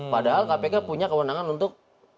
padahal kpk punya kewenangan untuk